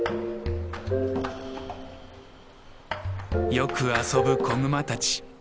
よく遊ぶ子グマたち。